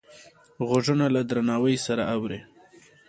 غوږونه له درناوي سره اوري